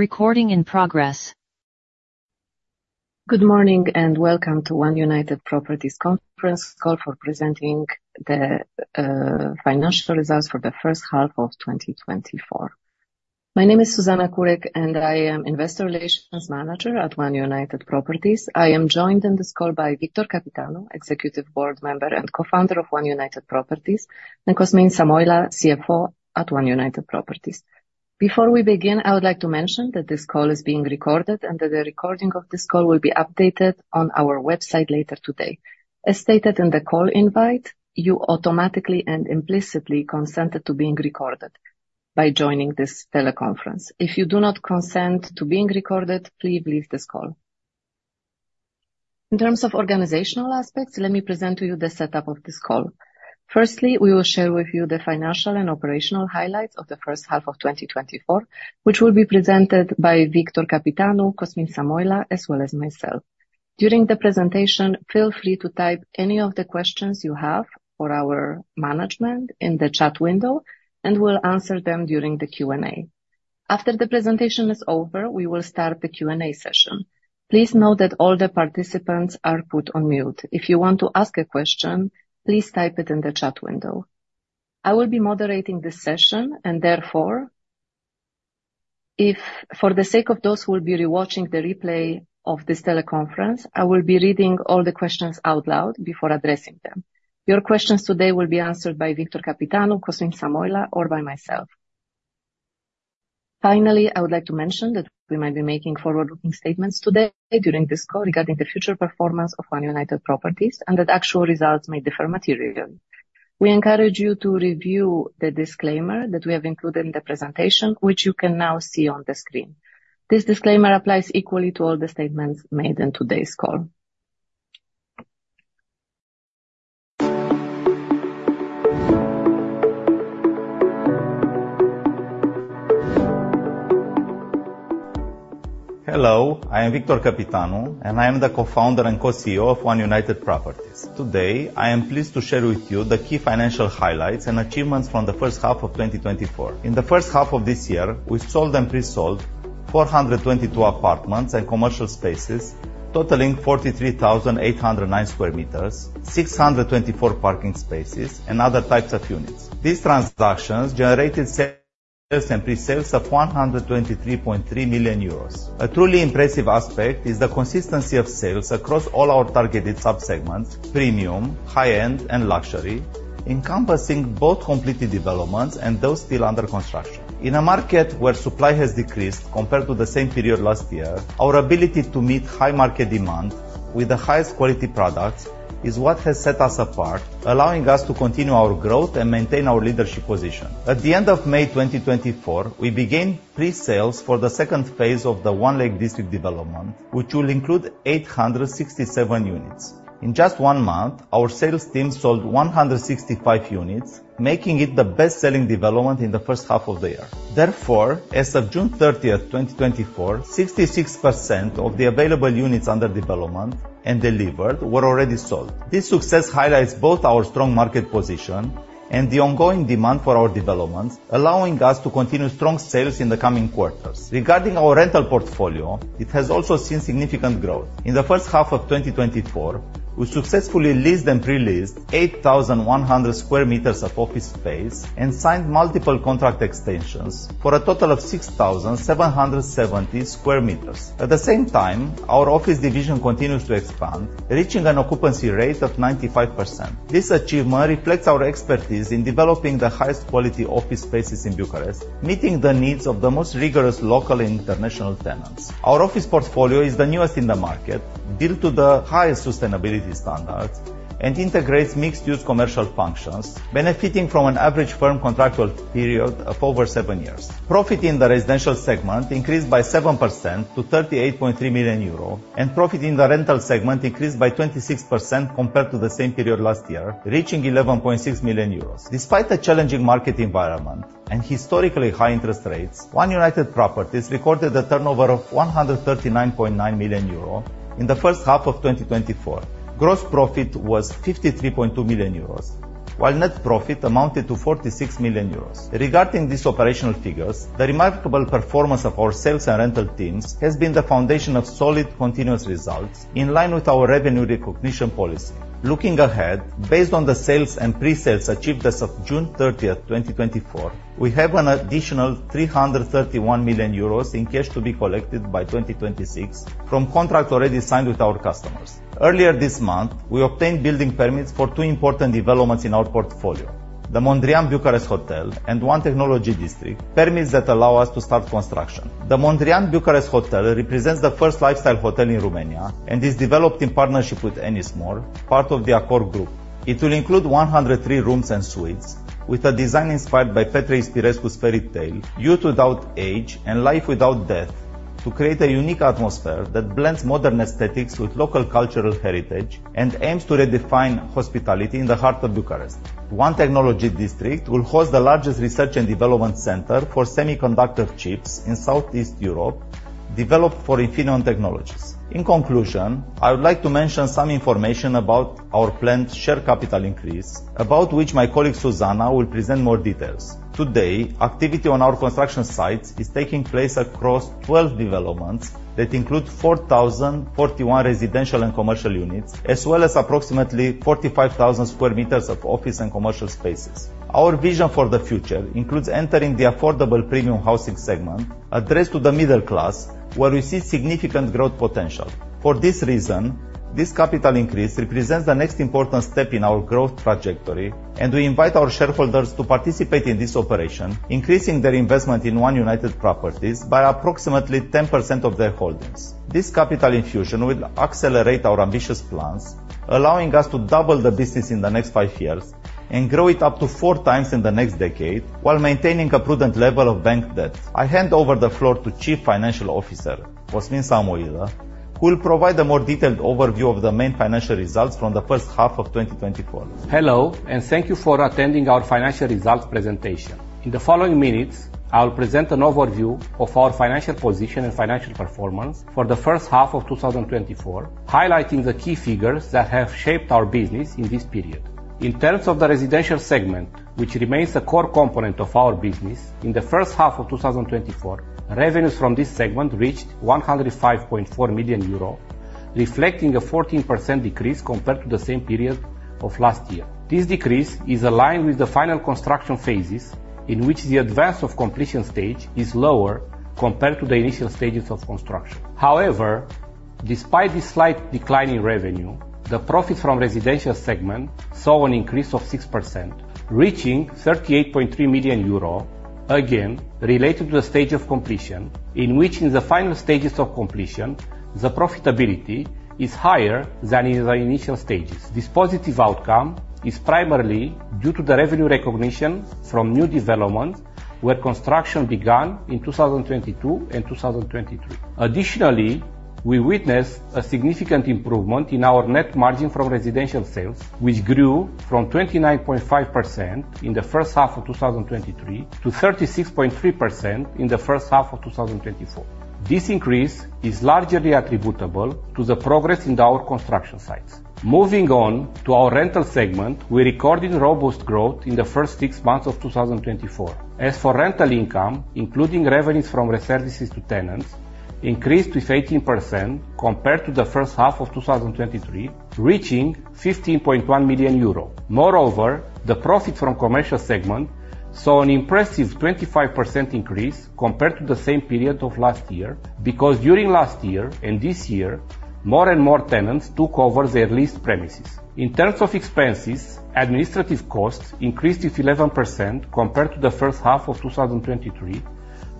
Recording in progress. Good morning, and welcome to One United Properties conference call for presenting the financial results for the first half of 2024. My name is Zuzanna Kurek, and I am Investor Relations Manager at One United Properties. I am joined on this call by Victor Căpitanu, Executive Board Member and Co-founder of One United Properties, and Cosmin Samoilă, CFO at One United Properties. Before we begin, I would like to mention that this call is being recorded, and that the recording of this call will be updated on our website later today. As stated in the call invite, you automatically and implicitly consent it to being recorded by joining this teleconference. If you do not consent to being recorded, please leave this call. In terms of organizational aspects, let me present to you the setup of this call. Firstly, we will share with you the financial and operational highlights of the first half of 2024, which will be presented by Victor Căpitanu, Cosmin Samoilă, as well as myself. During the presentation, feel free to type any of the questions you have for our management in the chat window, and we'll answer them during the Q&A. After the presentation is over, we will start the Q&A session. Please note that all the participants are put on mute. If you want to ask a question, please type it in the chat window. I will be moderating this session, and therefore, if for the sake of those who will be rewatching the replay of this teleconference, I will be reading all the questions out loud before addressing them. Your questions today will be answered by Victor Căpitanu, Cosmin Samoilă, or by myself. Finally, I would like to mention that we might be making forward-looking statements today during this call regarding the future performance of One United Properties and that actual results may differ materially. We encourage you to review the disclaimer that we have included in the presentation, which you can now see on the screen. This disclaimer applies equally to all the statements made in today's call. Hello, I am Victor Căpitanu, and I am the Co-founder and Co-CEO of One United Properties. Today, I am pleased to share with you the key financial highlights and achievements from the first half of 2024. In the first half of this year, we sold and pre-sold 422 apartments and commercial spaces, totaling 43,809 square meters, 624 parking spaces, and other types of units. These transactions generated sales and pre-sales of 123.3 million euros. A truly impressive aspect is the consistency of sales across all our targeted sub-segments: premium, high-end, and luxury, encompassing both completed developments and those still under construction. In a market where supply has decreased compared to the same period last year, our ability to meet high market demand with the highest quality products is what has set us apart, allowing us to continue our growth and maintain our leadership position. At the end of May 2024, we began pre-sales for the second phase of the One Lake District development, which will include 867 units. In just one month, our sales team sold 165 units, making it the best-selling development in the first half of the year. Therefore, as of June 30, 2024, 66% of the available units under development and delivered were already sold. This success highlights both our strong market position and the ongoing demand for our developments, allowing us to continue strong sales in the coming quarters. Regarding our rental portfolio, it has also seen significant growth. In the first half of 2024, we successfully leased and re-leased 8100 square meters of office space and signed multiple contract extensions for a total of 6770 square meters. At the same time, our office division continues to expand, reaching an occupancy rate of 95%. This achievement reflects our expertise in developing the highest quality office spaces in Bucharest, meeting the needs of the most rigorous local and international tenants. Our office portfolio is the newest in the market, built to the highest sustainability standards, and integrates mixed-use commercial functions, benefiting from an average firm contractual period of over seven years. Profit in the residential segment increased by 7% to 38.3 million euro, and profit in the rental segment increased by 26% compared to the same period last year, reaching 11.6 million euros. Despite the challenging market environment and historically high interest rates, One United Properties recorded a turnover of 139.9 million euro in the first half of 2024. Gross profit was 53.2 million euros, while net profit amounted to 46 million euros. Regarding these operational figures, the remarkable performance of our sales and rental teams has been the foundation of solid, continuous results in line with our revenue recognition policy. Looking ahead, based on the sales and pre-sales achieved as of June 30, 2024, we have an additional 331 million euros in cash to be collected by 2026 from contracts already signed with our customers. Earlier this month, we obtained building permits for two important developments in our portfolio, the Mondrian Bucharest and One Technology District, permits that allow us to start construction. The Mondrian Bucharest represents the first lifestyle hotel in Romania and is developed in partnership with Ennismore, part of the Accor Group. It will include 103 rooms and suites with a design inspired by Petre Ispirescu's fairy tale, Youth Without Age and Life Without Death, to create a unique atmosphere that blends modern aesthetics with local cultural heritage and aims to redefine hospitality in the heart of Bucharest. One Technology District will host the largest research and development center for semiconductor chips in Southeast Europe.... developed for Infineon Technologies. In conclusion, I would like to mention some information about our planned share capital increase, about which my colleague, Zuzanna, will present more details. Today, activity on our construction sites is taking place across 12 developments that include 4,041 residential and commercial units, as well as approximately 45,000 square meters of office and commercial spaces. Our vision for the future includes entering the affordable premium housing segment, addressed to the middle class, where we see significant growth potential. For this reason, this capital increase represents the next important step in our growth trajectory, and we invite our shareholders to participate in this operation, increasing their investment in One United Properties by approximately 10% of their holdings. This capital infusion will accelerate our ambitious plans, allowing us to double the business in the next five years and grow it up to four times in the next decade, while maintaining a prudent level of bank debt. I hand over the floor to Chief Financial Officer, Cosmin Samoilă, who will provide a more detailed overview of the main financial results from the first half of 2024. Hello, and thank you for attending our financial results presentation. In the following minutes, I will present an overview of our financial position and financial performance for the first half of 2024, highlighting the key figures that have shaped our business in this period. In terms of the residential segment, which remains a core component of our business, in the first half of 2024, revenues from this segment reached 105.4 million euro, reflecting a 14% decrease compared to the same period of last year. This decrease is aligned with the final construction phases, in which the advance of completion stage is lower compared to the initial stages of construction. However, despite this slight decline in revenue, the profit from residential segment saw an increase of 6%, reaching 38.3 million euro, again, related to the stage of completion, in which the final stages of completion, the profitability is higher than in the initial stages. This positive outcome is primarily due to the revenue recognition from new developments, where construction began in 2022 and 2023. Additionally, we witnessed a significant improvement in our net margin from residential sales, which grew from 29.5% in the first half of 2023 to 36.3% in the first half of 2024. This increase is largely attributable to the progress in our construction sites. Moving on to our rental segment, we recorded robust growth in the first six months of 2024. As for rental income, including revenues from reservices to tenants, increased with 18% compared to the first half of 2023, reaching 15.1 million euro. Moreover, the profit from commercial segment saw an impressive 25% increase compared to the same period of last year, because during last year and this year, more and more tenants took over their leased premises. In terms of expenses, administrative costs increased with 11% compared to the first half of 2023,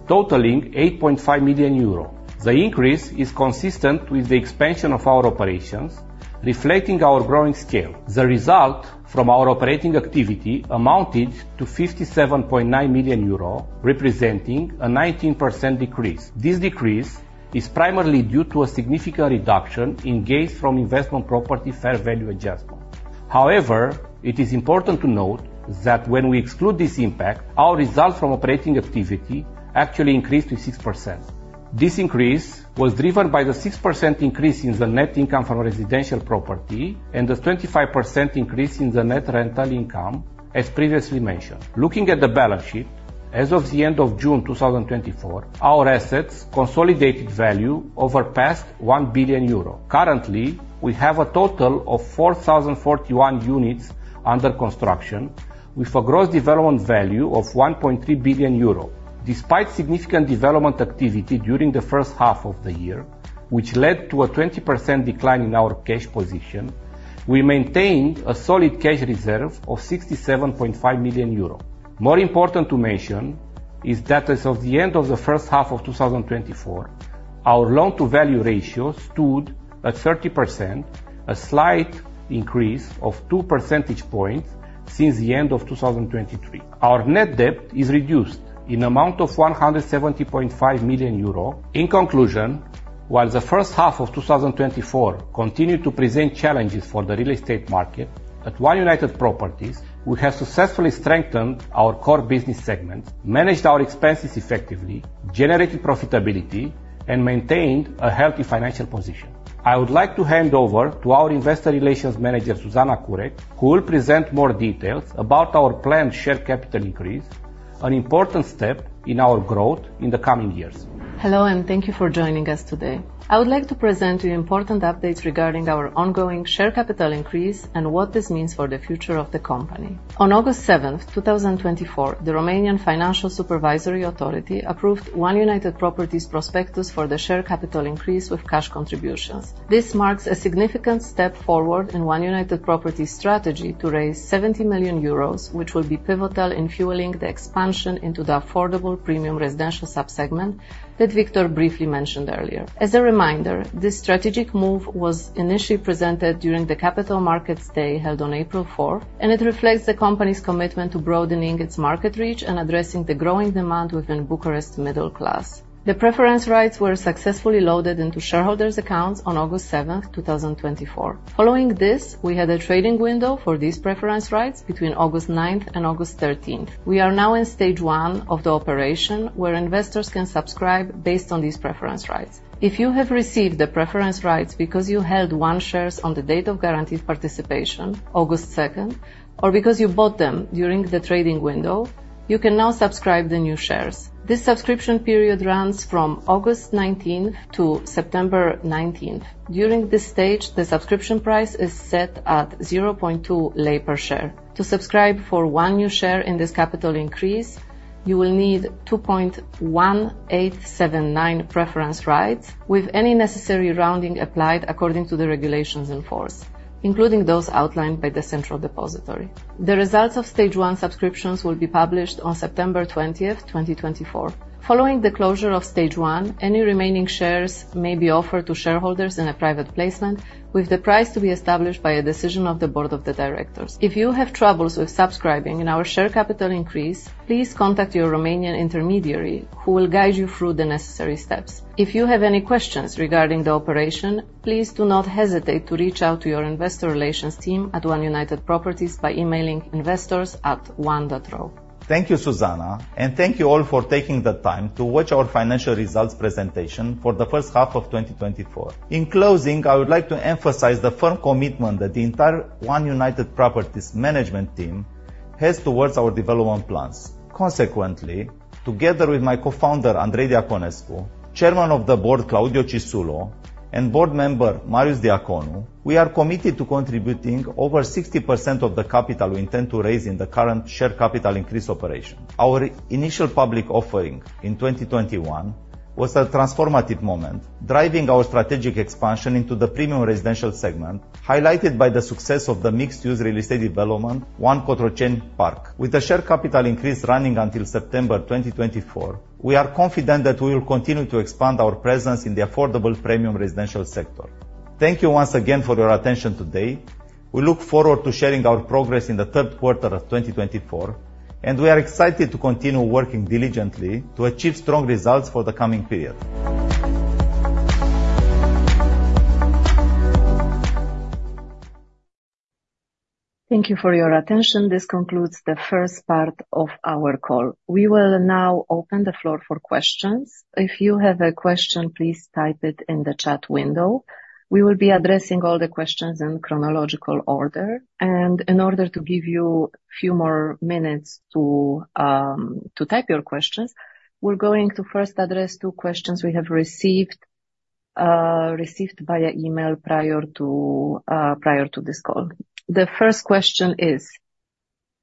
totaling 8.5 million euro. The increase is consistent with the expansion of our operations, reflecting our growing scale. The result from our operating activity amounted to 57.9 million euro, representing a 19% decrease. This decrease is primarily due to a significant reduction in gains from investment property fair value adjustment. However, it is important to note that when we exclude this impact, our results from operating activity actually increased to 6%. This increase was driven by the 6% increase in the net income from residential property and the 25% increase in the net rental income, as previously mentioned. Looking at the balance sheet, as of the end of June 2024, our assets consolidated value over past 1 billion euro. Currently, we have a total of 4,001 units under construction, with a gross development value of 1.3 billion euro. Despite significant development activity during the first half of the year, which led to a 20% decline in our cash position, we maintained a solid cash reserve of 67.5 million euro. More important to mention is that as of the end of the first half of 2024, our loan-to-value ratio stood at 30%, a slight increase of two percentage points since the end of 2023. Our net debt is reduced in amount of 170.5 million euro. In conclusion, while the first half of 2024 continued to present challenges for the real estate market, at One United Properties, we have successfully strengthened our core business segments, managed our expenses effectively, generated profitability, and maintained a healthy financial position. I would like to hand over to our Investor Relations Manager, Zuzanna Kurek, who will present more details about our planned share capital increase, an important step in our growth in the coming years. Hello, and thank you for joining us today. I would like to present you important updates regarding our ongoing share capital increase and what this means for the future of the company. On August 7th, 2024, the Romanian Financial Supervisory Authority approved One United Properties' prospectus for the share capital increase with cash contributions. This marks a significant step forward in One United Properties' strategy to raise 70 million euros, which will be pivotal in fueling the expansion into the affordable premium residential sub-segment that Victor briefly mentioned earlier. As a reminder, this strategic move was initially presented during the Capital Markets Day, held on April fourth, and it reflects the company's commitment to broadening its market reach and addressing the growing demand within Bucharest middle class. The preference rights were successfully loaded into shareholders' accounts on August 7th, 2024. Following this, we had a trading window for these preference rights between August 19th and August 13th. We are now in stage one of the operation, where investors can subscribe based on these preference rights. If you have received the preference rights because you held One shares on the date of guaranteed participation, August 2nd, or because you bought them during the trading window, you can now subscribe the new shares. This subscription period runs from August 19th to September 19th. During this stage, the subscription price is set at RON 0.2 per share. To subscribe for one new share in this capital increase, you will need 2.1879 preference rights, with any necessary rounding applied according to the regulations in force, including those outlined by the Central Depository. The results of stage one subscriptions will be published on September twentieth, 2024. Following the closure of stage one, any remaining shares may be offered to shareholders in a private placement, with the price to be established by a decision of the Board of Directors. If you have troubles with subscribing in our share capital increase, please contact your Romanian intermediary, who will guide you through the necessary steps. If you have any questions regarding the operation, please do not hesitate to reach out to your investor relations team at One United Properties by emailing investors@one.ro. Thank you, Zuzanna, and thank you all for taking the time to watch our financial results presentation for the first half of 2024. In closing, I would like to emphasize the firm commitment that the entire One United Properties management team has towards our development plans. Consequently, together with my co-founder, Andrei Diaconescu, Chairman of the Board Claudio Cisullo, and Board Member Marius Diaconu, we are committed to contributing over 60% of the capital we intend to raise in the current share capital increase operation. Our initial public offering in 2021 was a transformative moment, driving our strategic expansion into the premium residential segment, highlighted by the success of the mixed-use real estate development, One Cotroceni Park. With the share capital increase running until September 2024, we are confident that we will continue to expand our presence in the affordable premium residential sector. Thank you once again for your attention today. We look forward to sharing our progress in the third quarter of 2024, and we are excited to continue working diligently to achieve strong results for the coming period. Thank you for your attention. This concludes the first part of our call. We will now open the floor for questions. If you have a question, please type it in the chat window. We will be addressing all the questions in chronological order, and in order to give you a few more minutes to type your questions, we're going to first address two questions we have received via email prior to this call. The first question is,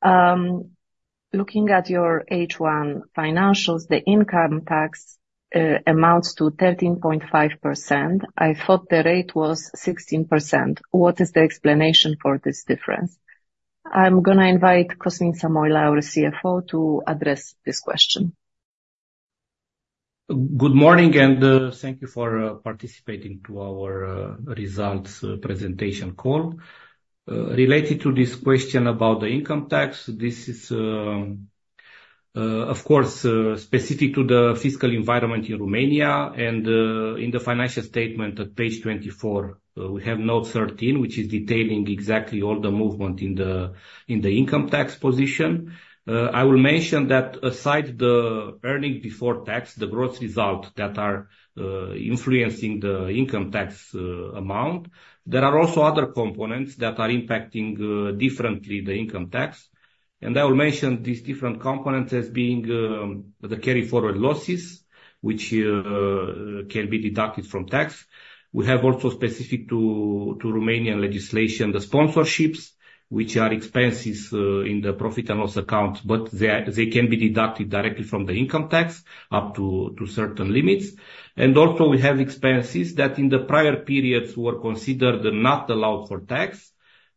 looking at your H1 financials, the income tax amounts to 13.5%. I thought the rate was 16%. What is the explanation for this difference? I'm going to invite Cosmin Samoilă, our CFO, to address this question. Good morning, and thank you for participating to our results presentation call. Related to this question about the income tax, this is, of course, specific to the fiscal environment in Romania and, in the financial statement at page 24, we have note 13, which is detailing exactly all the movement in the income tax position. I will mention that aside the earning before tax, the gross results that are influencing the income tax amount, there are also other components that are impacting differently the income tax. And I will mention these different components as being the carry forward losses, which can be deducted from tax. We have also specific to Romanian legislation, the sponsorships, which are expenses in the profit and loss account, but they are. They can be deducted directly from the income tax up to certain limits. And also, we have expenses that in the prior periods were considered not allowed for tax,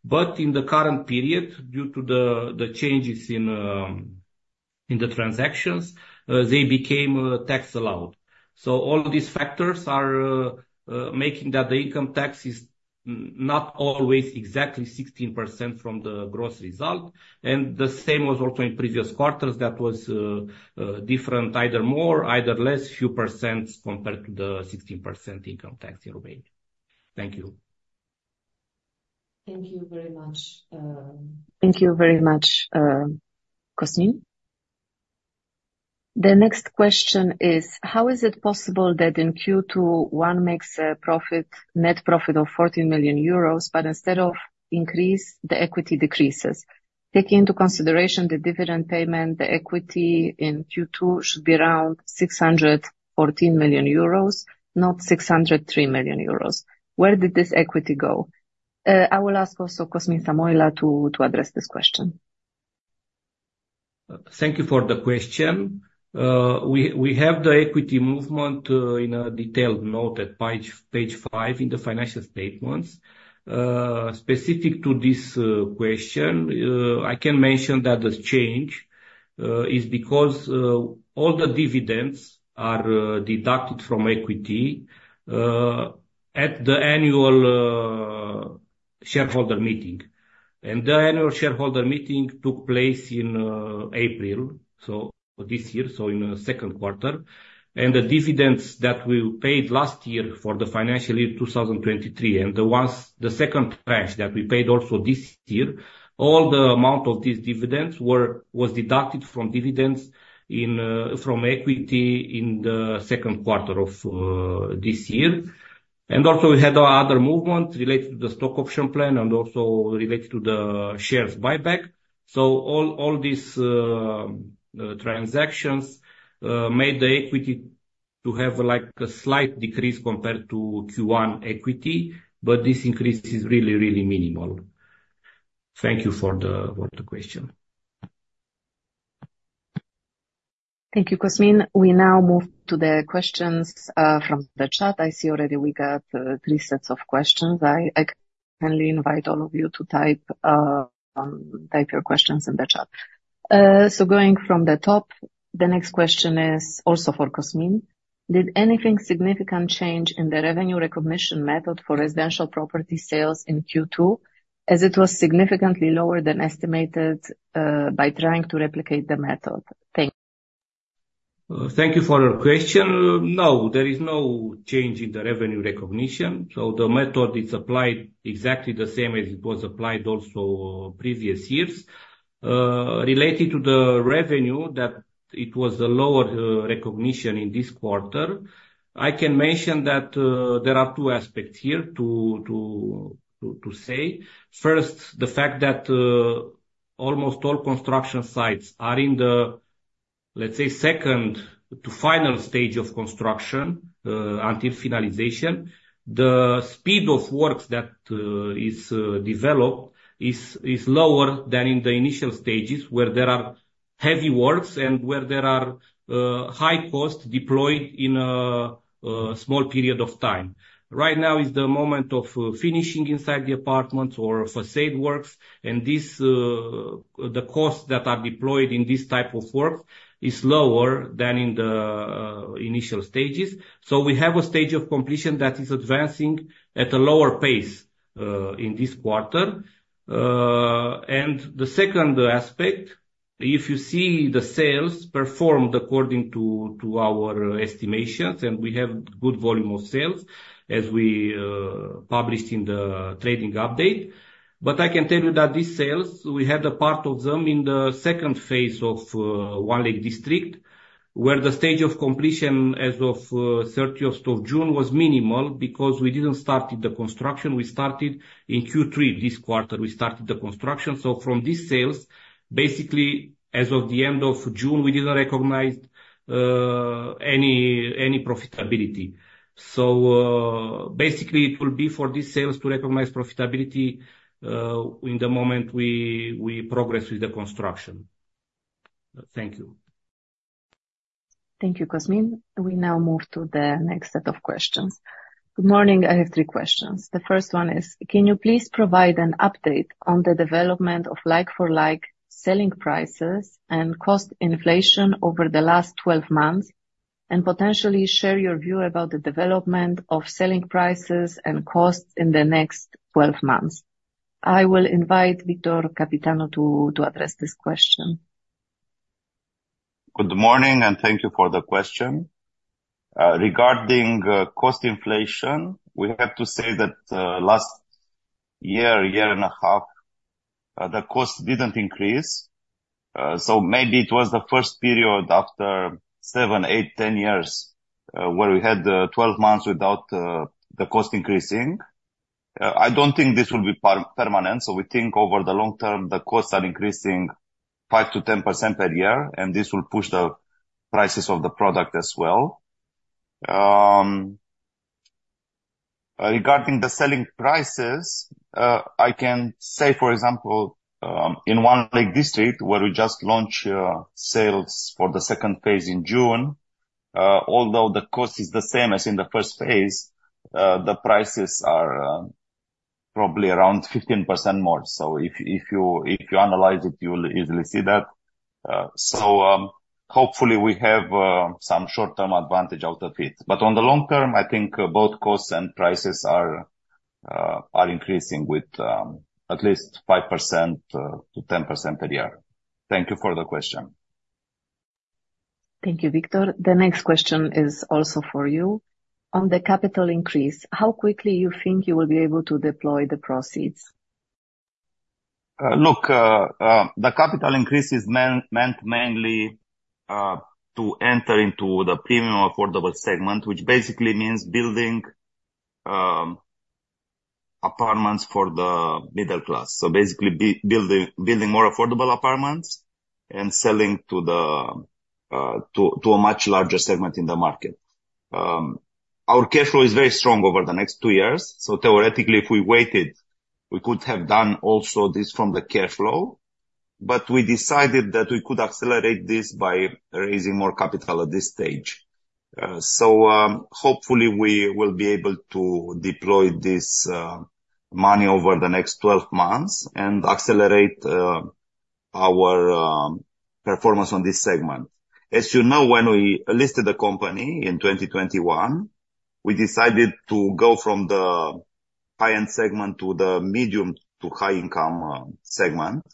but in the current period, due to the changes in the transactions, they became tax allowed. So all these factors are making that the income tax is not always exactly 16% from the gross result. And the same was also in previous quarters. That was different, either more or less, a few % compared to the 16% income tax in Romania. Thank you. Thank you very much, Cosmin. The next question is: How is it possible that in Q2, one makes a profit, net profit of 40 million euros, but instead of increase, the equity decreases? Taking into consideration the dividend payment, the equity in Q2 should be around 614 million euros, not 603 million euros. Where did this equity go? I will ask also Cosmin Samoilă to address this question. Thank you for the question. We have the equity movement in a detailed note at page five in the financial statements. Specific to this question, I can mention that the change is because all the dividends are deducted from equity at the annual shareholder meeting. The annual shareholder meeting took place in April, so this year, so in the second quarter. The dividends that we paid last year for the financial year 2023, and the ones, the second tranche that we paid also this year, all the amount of these dividends was deducted from equity in the second quarter of this year. Also, we had our other movement related to the stock option plan and also related to the shares buyback. So all these transactions made the equity to have, like, a slight decrease compared to Q1 equity, but this increase is really, really minimal. Thank you for the question. Thank you, Cosmin. We now move to the questions from the chat. I see already we got three sets of questions. I kindly invite all of you to type your questions in the chat. So going from the top, the next question is also for Cosmin. Did anything significant change in the revenue recognition method for residential property sales in Q2, as it was significantly lower than estimated by trying to replicate the method? Thank you. Thank you for your question. No, there is no change in the revenue recognition, so the method is applied exactly the same as it was applied also previous years. Related to the revenue, that it was a lower recognition in this quarter, I can mention that there are two aspects here to say. First, the fact that almost all construction sites are in the, let's say, second to final stage of construction until finalization. The speed of works that is developed is lower than in the initial stages, where there are heavy works and where there are high costs deployed in a small period of time. Right now is the moment of finishing inside the apartments or facade works, and this, the costs that are deployed in this type of work is lower than in the initial stages. So we have a stage of completion that is advancing at a lower pace in this quarter. And the second aspect, if you see the sales performed according to our estimations, and we have good volume of sales, as we published in the trading update. But I can tell you that these sales, we had a part of them in the second phase of One Lake District, where the stage of completion as of thirtieth of June was minimal because we didn't started the construction. We started in Q3, this quarter, we started the construction. So from these sales, basically, as of the end of June, we didn't recognize any profitability. So, basically, it will be for these sales to recognize profitability in the moment we progress with the construction. Thank you. Thank you, Cosmin. We now move to the next set of questions. Good morning, I have three questions. The first one is, can you please provide an update on the development of like-for-like selling prices and cost inflation over the last 12 months, and potentially share your view about the development of selling prices and costs in the next 12 months? I will invite Victor Căpitanu to address this question. Good morning, and thank you for the question. Regarding cost inflation, we have to say that last year, year and a half, the cost didn't increase, so maybe it was the first period after seven, eight, 10 years where we had 12 months without the cost increasing. I don't think this will be permanent, so we think over the long term, the costs are increasing five to 10% per year, and this will push the prices of the product as well. Regarding the selling prices, I can say, for example, in One Lake District, where we just launched sales for the second phase in June, although the cost is the same as in the first phase, the prices are probably around 15% more. If you analyze it, you will easily see that. Hopefully, we have some short-term advantage out of it. But on the long term, I think both costs and prices are increasing with at least 5% - 10% per year. Thank you for the question. Thank you, Victor. The next question is also for you. On the capital increase, how quickly you think you will be able to deploy the proceeds? Look, the capital increase is meant mainly to enter into the premium affordable segment, which basically means building apartments for the middle class. So basically, building more affordable apartments and selling to a much larger segment in the market. Our cash flow is very strong over the next two years, so theoretically, if we waited, we could have done also this from the cash flow. But we decided that we could accelerate this by raising more capital at this stage. So, hopefully, we will be able to deploy this money over the next 12 months and accelerate our performance on this segment. As you know, when we listed the company in 2021, we decided to go from the high-end segment to the medium-to-high income segment.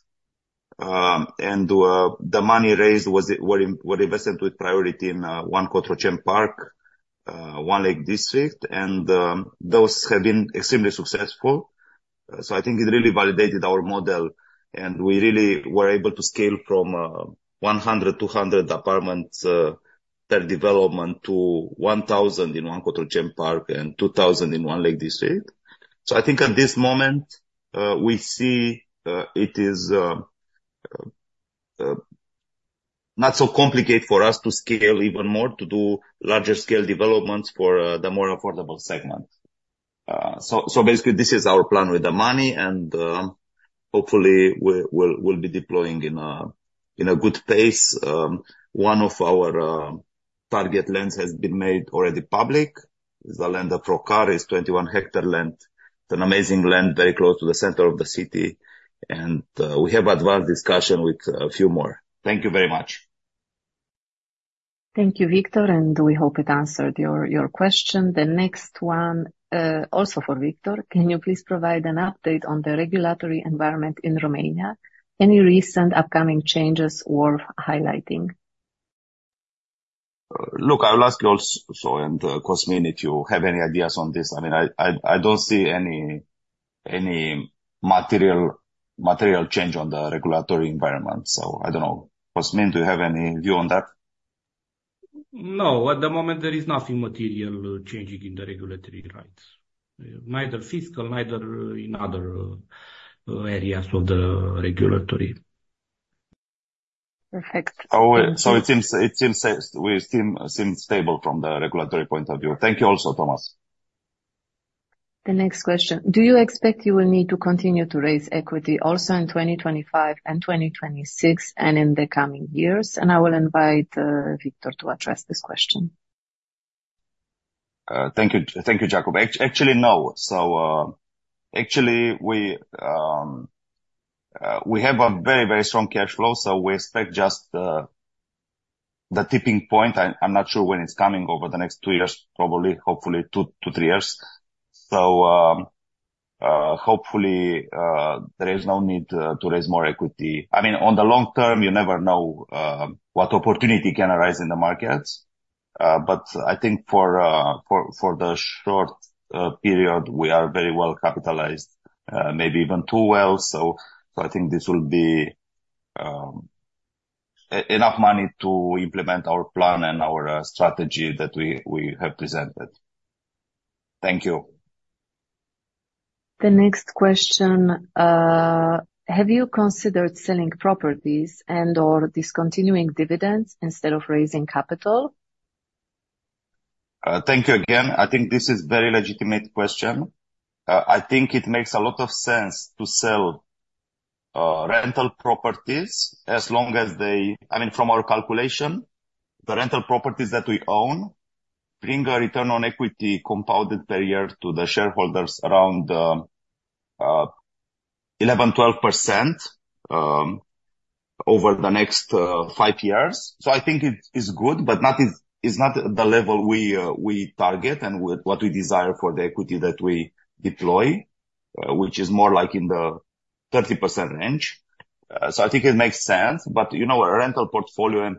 And, the money raised was, were invested with priority in, One Cotroceni Park, One Lake District, and, those have been extremely successful. So I think it really validated our model, and we really were able to scale from, 100, 200 apartments, per development to 1000 in One Cotroceni Park and 2,000 in One Lake District. So I think at this moment, we see, it is, not so complicated for us to scale even more, to do larger scale developments for, the more affordable segment. So, so basically, this is our plan with the money, and, hopefully, we- we'll, we'll be deploying in a, in a good pace. One of our, target lands has been made already public. The land of Procar is 21 hectare land. It's an amazing land, very close to the center of the city, and we have advanced discussion with a few more. Thank you very much. Thank you, Victor, and we hope it answered your question. The next one, also for Victor: Can you please provide an update on the regulatory environment in Romania? Any recent upcoming changes worth highlighting? Look, I will ask you also, and, Cosmin, if you have any ideas on this. I mean, I don't see any material change on the regulatory environment, so I don't know. Cosmin, do you have any view on that? No, at the moment, there is nothing material changing in the regulatory rights, neither fiscal, neither in other areas of the regulatory. Perfect. So it seems we seem stable from the regulatory point of view. Thank you also, Thomas. The next question: Do you expect you will need to continue to raise equity also in 2025 and 2026 and in the coming years? And I will invite Victor to address this question. Thank you. Thank you, Jacob. Actually, no. So, actually, we have a very, very strong cash flow, so we expect just the tipping point. I'm not sure when it's coming over the next two years, probably, hopefully two to three years. So, hopefully, there is no need to raise more equity. I mean, on the long term, you never know what opportunity can arise in the markets. But I think for the short period, we are very well capitalized, maybe even too well. So, I think this will be enough money to implement our plan and our strategy that we have presented. Thank you. The next question: Have you considered selling properties and/or discontinuing dividends instead of raising capital? Thank you again. I think this is very legitimate question. I think it makes a lot of sense to sell rental properties as long as they, I mean, from our calculation, the rental properties that we own bring a return on equity compounded per year to the shareholders around 11%-12% over the next five years. So I think it is good, but is not the level we target and with what we desire for the equity that we deploy, which is more like in the 30% range. So I think it makes sense, but, you know, our rental portfolio and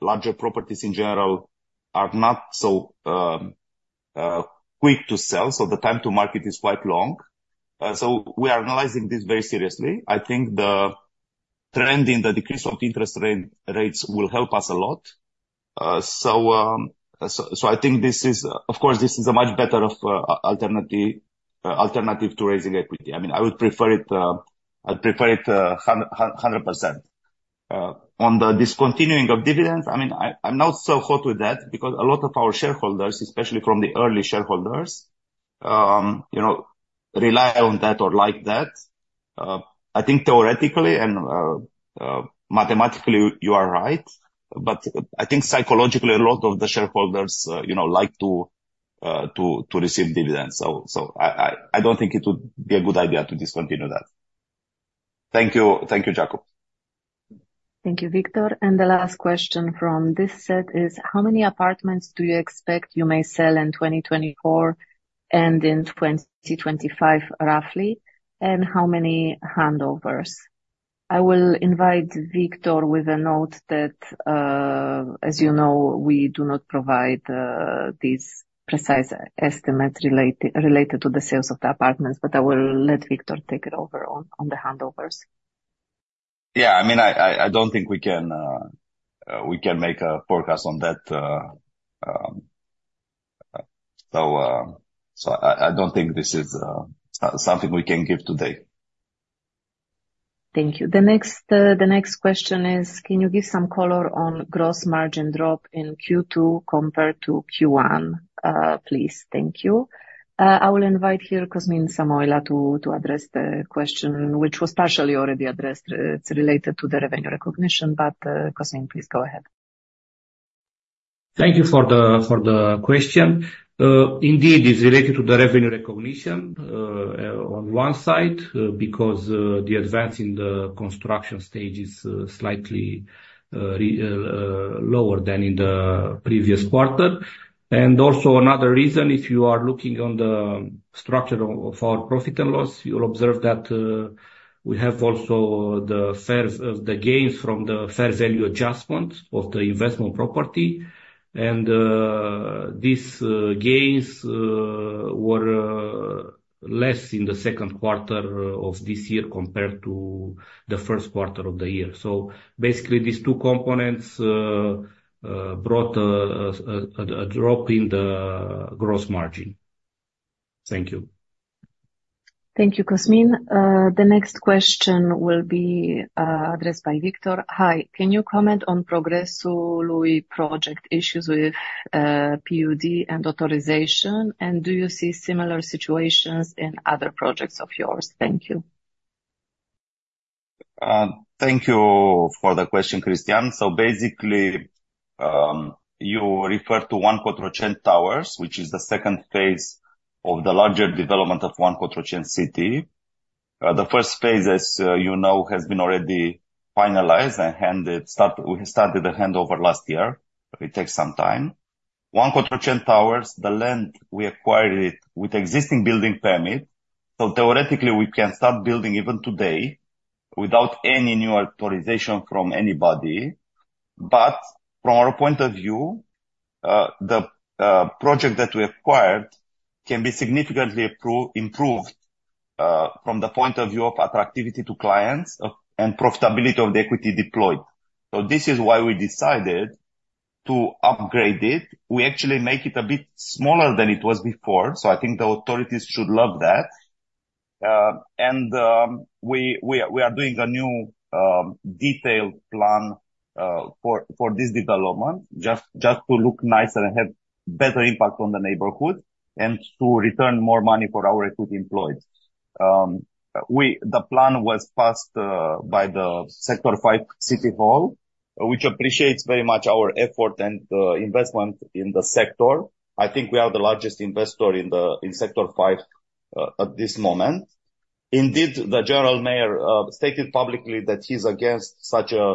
larger properties in general are not so quick to sell, so the time to market is quite long. So we are analyzing this very seriously. I think the trend in the decrease of interest rates will help us a lot. So I think this is a much better alternative to raising equity. I mean, I would prefer it. I'd prefer it 100%. On the discontinuing of dividends, I mean, I'm not so hot with that because a lot of our shareholders, especially from the early shareholders, you know, rely on that or like that. I think theoretically and mathematically, you are right, but I think psychologically, a lot of the shareholders, you know, like to receive dividends. So I don't think it would be a good idea to discontinue that. Thank you, Jacob. Thank you, Victor. And the last question from this set is: How many apartments do you expect you may sell in2024 and in 2025, roughly, and how many handovers? I will invite Victor with a note that, as you know, we do not provide these precise estimates related to the sales of the apartments, but I will let Victor take it over on the handovers. Yeah, I mean, I don't think we can make a forecast on that, so I don't think this is something we can give today. Thank you. The next question is: Can you give some color on gross margin drop in Q2 compared to Q1, please? Thank you. I will invite here Cosmin Samoilă to address the question, which was partially already addressed. It's related to the revenue recognition, but, Cosmin, please go ahead. Thank you for the question. Indeed, it's related to the revenue recognition on one side because the advance in the construction stage is slightly lower than in the previous quarter. Another reason, if you are looking on the structure of our profit and loss, you'll observe that we have also the sales of the gains from the fair value adjustments of the investment property, and these gains were less in the second quarter of this year compared to the first quarter of the year. Basically, these two components brought a drop in the gross margin. Thank you.... Thank you, Cosmin. The next question will be addressed by Victor. Hi, can you comment on Progresului project issues with PUZ and authorization, and do you see similar situations in other projects of yours? Thank you. Thank you for the question, Christian. So basically, you refer to One Cotroceni Towers, which is the second phase of the larger development of One Cotroceni City. The first phase, as you know, has been already finalized and we started the handover last year. It takes some time. One Cotroceni Towers, the land we acquired it with existing building permit, so theoretically we can start building even today without any new authorization from anybody. But from our point of view, the project that we acquired can be significantly improved, from the point of view of attractivity to clients and profitability of the equity deployed. So this is why we decided to upgrade it. We actually make it a bit smaller than it was before, so I think the authorities should love that. We are doing a new detailed plan for this development, just to look nicer and have better impact on the neighborhood and to return more money for our equity employed. The plan was passed by the Sector 5 City Hall, which appreciates very much our effort and investment in the sector. I think we are the largest investor in Sector 5 at this moment. Indeed, the general mayor stated publicly that he's against such a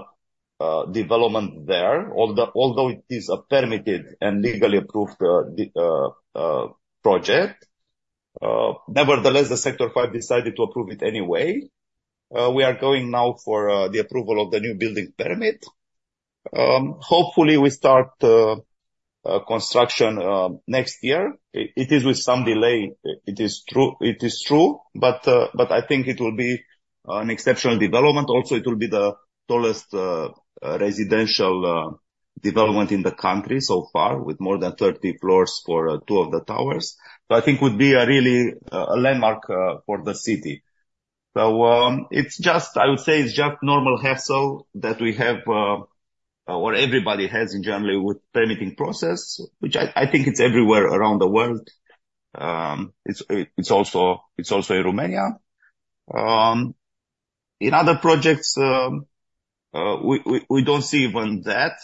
development there, although it is a permitted and legally approved project. Nevertheless, the Sector 5 decided to approve it anyway. We are going now for the approval of the new building permit. Hopefully, we start construction next year. It is with some delay, it is true, but I think it will be an exceptional development. Also, it will be the tallest residential development in the country so far, with more than 30 floors for 2 of the towers. So I think would be a really a landmark for the city. So it's just I would say it's just normal hassle that we have or everybody has in general with permitting process, which I think it's everywhere around the world. It's also in Romania. In other projects, we don't see even that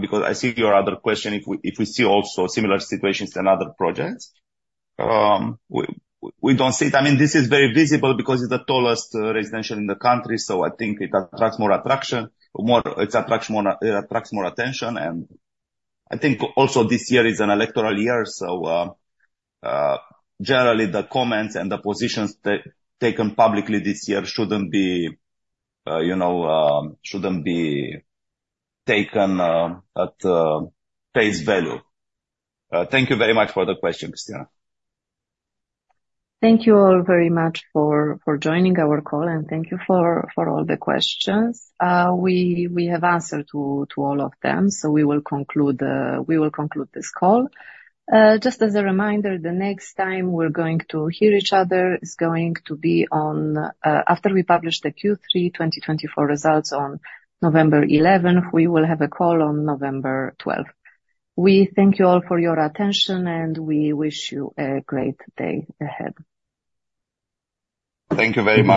because I see your other question, if we see also similar situations in other projects. We don't see it. I mean, this is very visible because it's the tallest residential in the country, so I think it attracts more attention, and I think also this year is an electoral year. So, generally, the comments and the positions taken publicly this year shouldn't be, you know, taken at face value. Thank you very much for the question, Christina. Thank you all very much for joining our call, and thank you for all the questions. We have answered to all of them, so we will conclude this call. Just as a reminder, the next time we're going to hear each other is going to be on, after we publish the Q3 2024 results on November 11th, we will have a call on November 12th. We thank you all for your attention, and we wish you a great day ahead. Thank you very much.